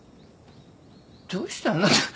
どうしてあなた。